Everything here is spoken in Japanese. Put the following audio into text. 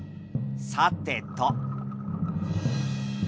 さてと。